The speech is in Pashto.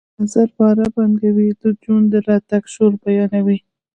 آزر باره بنکوی د جون د راتګ شور بیانوي